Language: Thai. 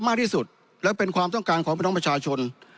มากที่สุดและเป็นความต้องการของพี่น้องประชาชน